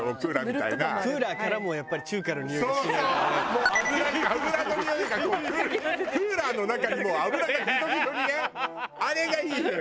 もう油油のにおいがこうクーラーの中に油がギトギトにねあれがいいのよ。